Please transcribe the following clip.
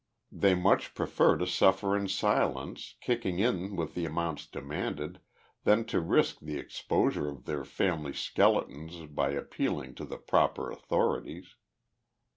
They much prefer to suffer in silence, kicking in with the amounts demanded, than to risk the exposure of their family skeletons by appealing to the proper authorities.